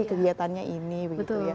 kegiatannya ini begitu ya